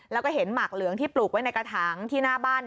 แล้วก็เห็นหมากเหลืองที่ปลูกไว้ในกระถางที่หน้าบ้าน